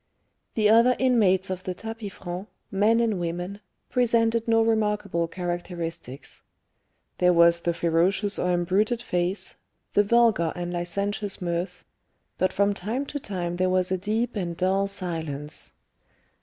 The other inmates of the tapis franc, men and women, presented no remarkable characteristics. There was the ferocious or embruted face, the vulgar and licentious mirth; but from time to time there was a deep and dull silence.